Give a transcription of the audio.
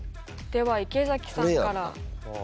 では池崎さんから。